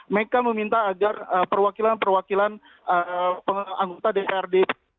mereka meminta agar perwakilan perwakilan anggota dprd